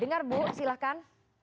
dengar bu silakan